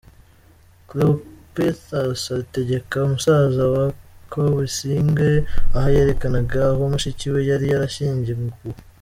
Cleopithus Ategeka, musaza wa Kobusinge, aha yerekanaga aho mushiki we yari yarashyinguwe.